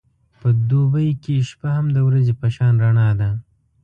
په دوبی کې شپه هم د ورځې په شان رڼا ده.